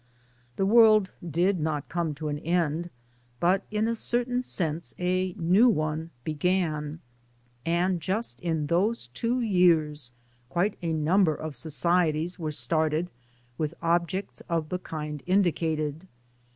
The world did not come to an end, but in a certain sense a new one began ; and just in those two years quite a number of societies were started with objects of the kind indicated.